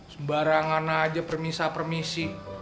sembarangan aja permisa permisi